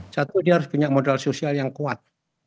satu dia harus punya modal sosial yang kuat